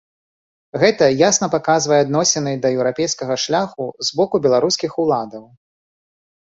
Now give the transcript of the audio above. Гэта ясна паказвае адносіны да еўрапейскага шляху з боку беларускіх уладаў.